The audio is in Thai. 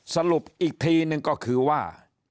สรุปอีกทีนึงก็คือว่า